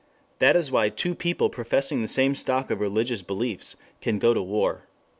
That is why people professing the same stock of religious beliefs can go to war.